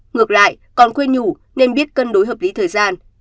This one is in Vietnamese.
ngược lại còn quên nhủ nên biết cân đối hợp lý